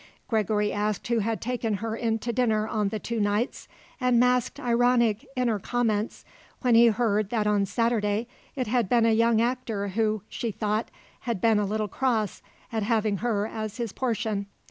Gregory asked who had taken her in to dinner on the two nights, and masked ironic inner comments when he heard that on Saturday it had been a young actor who, she thought, had been a little cross at having her as his portion.